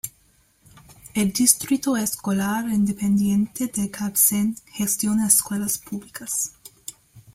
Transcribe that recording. El Distrito Escolar Independiente de Gadsden gestiona escuelas públicas.